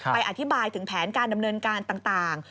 อธิบายถึงแผนการดำเนินการต่าง